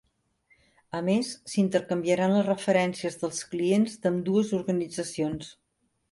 A més, s'intercanviaran les referències dels clients d'ambdues organitzacions.